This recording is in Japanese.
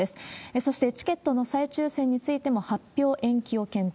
そしてチケットの再抽せんについても発表延期を検討。